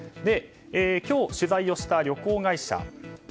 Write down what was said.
今日、取材をした旅行会社。